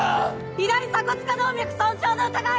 左鎖骨下動脈損傷の疑い！